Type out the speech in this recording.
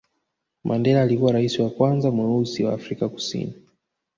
mandela alikuwa raisi wa kwanza mweusi wa afrika kusini